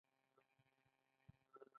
کوتره د شپې نه الوزي.